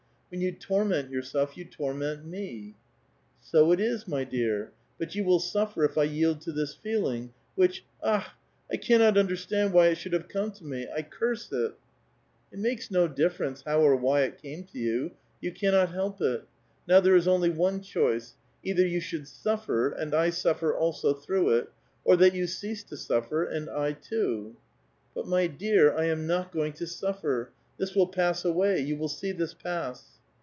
When you torment yourself, you torment me." " 80 it is, my dear ;^ but you will suffer if I yield to this feeling, which — akh! I cannot understand why it should have come to me ; I curse it !"> Mo'i mllui, * Mai drUg, A VITAL QUESTION. 268 '* It makes no difference how or why it came to you ; you cannot help it. Now there is only one choice : either you should suffer, and I suffer also through it, or that you cease sutfer, and I too." ^^But, my dear,^ I am not going to suffer; this will pass '^^^y » you will see this pass."